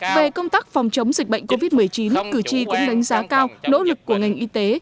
về công tác phòng chống dịch bệnh covid một mươi chín cử tri cũng đánh giá cao nỗ lực của ngành y tế